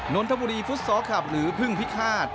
นนทบุรีฟุตซอลคลับหรือพึ่งพิฆาต